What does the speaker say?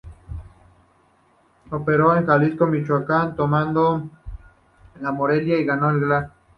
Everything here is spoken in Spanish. Operó en Jalisco y Michoacán; la toma de Morelia, la ganó, al Gral.